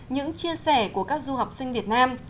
những chia sẻ của các du học sinh việt nam